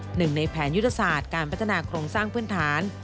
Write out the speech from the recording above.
หนึ่งในแผนยุทธศาสตร์การพัฒนาโครงสร้างพื้นฐาน